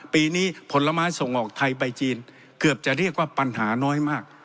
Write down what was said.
ปีนี้ผลไม้ส่งออกไทยใบจีนเกือบจะเรียกว่าปัญหาน้อยมาก